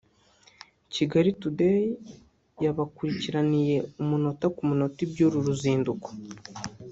Kigali Today yabakurikiraniye umunota ku munota iby’uru ruzinduko